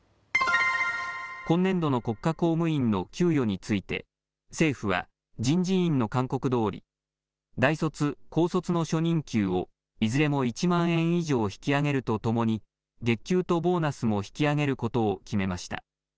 今年度の国家公務員の給与について政府は人事院の勧告どおり大卒・高卒の初任給をいずれも１万円以上引き上げるとともに月給とボーナスも引き上げることを決めました。